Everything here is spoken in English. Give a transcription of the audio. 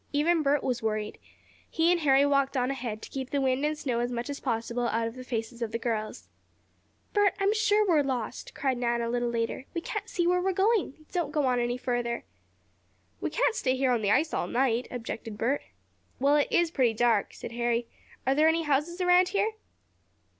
Even Bert was worried. He and Harry walked on ahead, to keep the wind and snow as much as possible out of the faces of the girls. "Bert, I'm sure we're lost!" cried Nan a little later. "We can't see where we're going! Don't go on any farther." "We can't stay here on the ice all night," objected Bert. "Well, it is pretty dark," said Harry. "Are there any houses around here?"